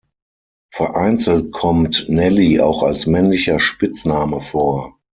Vereinzelt kommt Nelly auch als männlicher Spitzname vor.